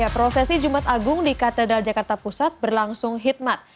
prosesi jumat agung di katedral jakarta pusat berlangsung hikmat